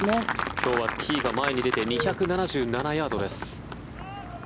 今日はティーが前に出て２７７ヤードです。